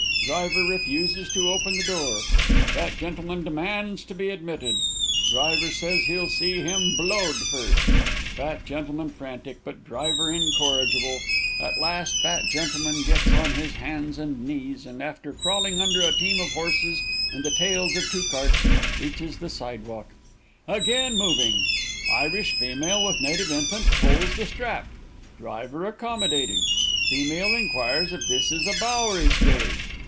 Driver refuses to open the door. Fat gentleman demands to be admitted. Driver says he'll see him blowed first. Fat gentleman frantic, but driver incorrigible. At last fat gentleman gets on his hands and knees, and, after crawling under a team of horses and the tails of two carts, reaches the sidewalk. Again moving. Irish female with native infant pulls the strap. Driver accommodating. Female inquires if this is a Bowery stage.